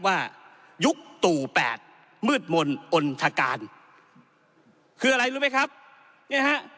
ยุคตู่แปดมืดมนต์อนทการคืออะไรรู้ไหมครับเนี่ยฮะ